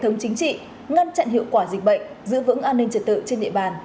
họ là những chiến binh chính trị ngăn chặn hiệu quả dịch bệnh giữ vững an ninh trật tự trên địa bàn